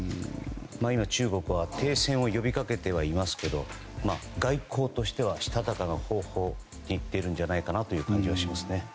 今、中国は停戦を呼びかけていますが外交としてはしたたかな方向にいってるのではという感じはしますね。